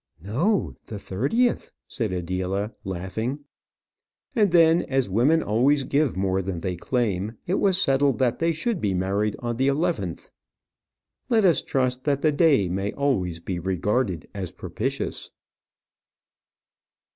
"No; the thirtieth," said Adela, laughing. And then, as women always give more than they claim, it was settled that they should be married on the eleventh. Let us trust that the day may always be regarded as propitious.